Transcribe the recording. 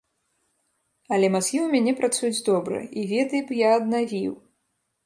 Але мазгі ў мяне працуюць добра, і веды б я аднавіў.